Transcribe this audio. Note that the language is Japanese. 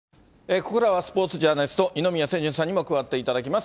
ここからはスポーツジャーナリスト、二宮清純さんにも加わっていただきます。